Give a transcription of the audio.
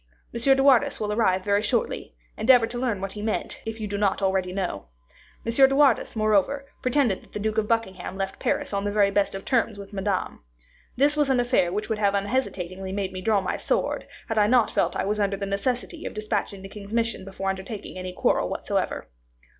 M. de Wardes will arrive very shortly; endeavor to learn what he meant, if you do not already know. M. de Wardes, moreover, pretended that the Duke of Buckingham left Paris on the very best of terms with Madame. This was an affair which would have unhesitatingly made me draw my sword, had I not felt that I was under the necessity of dispatching the king's mission before undertaking any quarrel whatsoever.